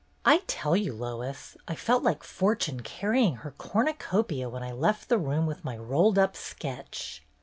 "I tell you, Lois, I felt like Fortune carrying her cornucopia when I left the room with my rolled up sketch.